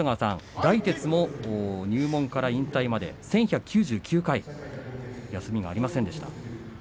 大徹も入門から引退まで１１９９回休みがありませんでした。